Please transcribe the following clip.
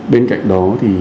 bên cạnh đó thì